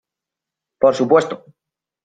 por su puesto.